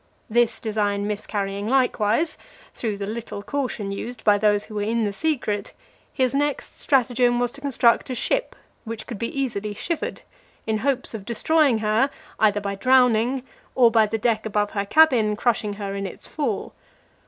This design miscarrying likewise, through the little caution used by those who were in the secret, his next stratagem was to construct a ship which could be easily shivered, in hopes of destroying her either by drowning, or by the deck above her cabin crushing her in its fall.